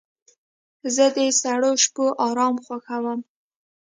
زه د سړو شپو آرام خوښوم.